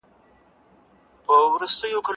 د همدغو پورته ځانګړنو پر بنسټ چمتو او ليکل شوی دی.